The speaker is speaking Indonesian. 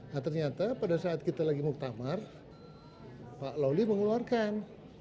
nah ternyata pada saat kita lagi muktamar pak loli mengeluarkan